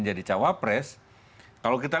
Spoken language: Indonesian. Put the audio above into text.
menjadi cawapres kalau kita